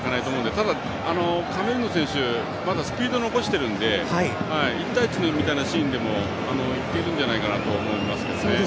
ただ、カメルーンの選手まだスピード残しているので１対１みたいなシーンでもいけるんじゃないかなと思います。